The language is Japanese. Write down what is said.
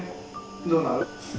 どうなる？